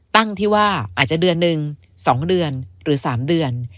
ตั้งที่ว่าอาจจะเดือนหนึ่ง๒เดือนหรือ๓เดือน